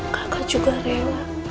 kakak juga rewa